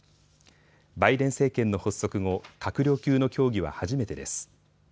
バイデン政権の発足後、閣僚級の協議は初めてです。